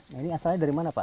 nah ini asalnya dari mana pak